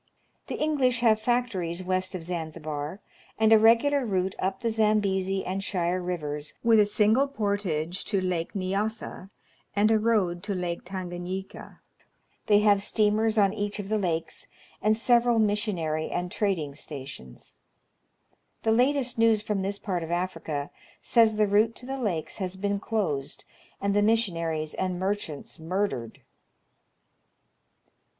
The English have factories west of Zanzibar, and a regular route up the Zambezi and Shire Rivers, with a single portage to Lake Nyassa, and a road to Lake Tan ganyika. They have steamers on each of the lakes, and several missionary and trading stations. The latest news from this part of Africa says the route to the lakes has been closed, and fhe missionaries and merchants murdered.